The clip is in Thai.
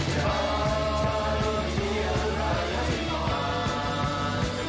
ถ้าโลกใช่อะไรอยากสิบประกัน